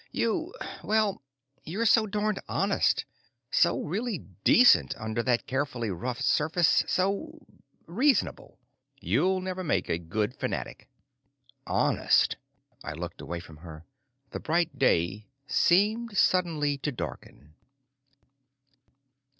"You well, you're so darned honest, so really decent under that carefully rough surface, so reasonable. You'll never make a good fanatic." Honest! I looked away from her. The bright day seemed suddenly to darken.